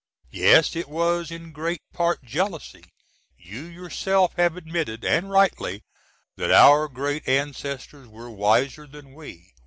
Yes, it was in great part jealousy. You yourself have admitted (& rightly) that our great Ancestors were wiser than we.